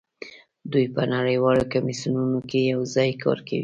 دوی په نړیوالو کمیسیونونو کې یوځای کار کوي